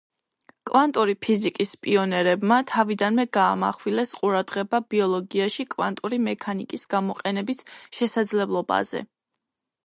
კვანტური ფიზიკის პიონერებმა თავიდანვე გაამახვილეს ყურადღება ბიოლოგიაში კვანტური მექანიკის გამოყენების შესაძლებლობაზე.